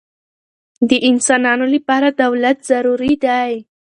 د انسانانو له پاره دولت ضروري دئ.